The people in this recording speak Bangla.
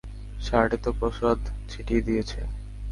শার্টে তো প্রসাদ ছিটিয়ে দিয়েছে।